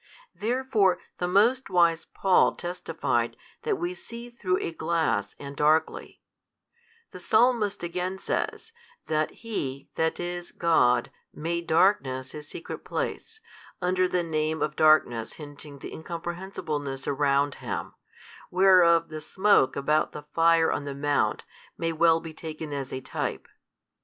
Therefore the most wise Paul testified that we see through a glass and darkly: the Psalmist again says that He, that is, God, made darkness His secret place, under the name of darkness hinting the Incomprehensibleness around Him, whereof the smoke about the fire on the mount may well be taken as a type.